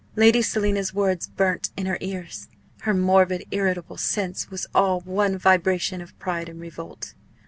Lady Selina's words burnt in her ears. Her morbid, irritable sense was all one vibration of pride and revolt.